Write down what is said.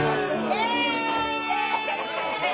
イエイ！